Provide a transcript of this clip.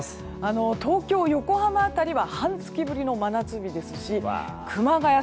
東京、横浜辺りは半月ぶりの真夏日ですし熊谷、